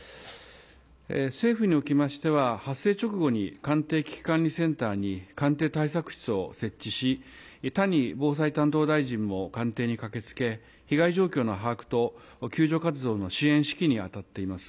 政府におきましては、発生直後に官邸危機管理センターに官邸対策室を設置し、谷防災担当大臣も官邸に駆けつけ、被害状況の把握と、救助活動の支援、指揮に当たっております。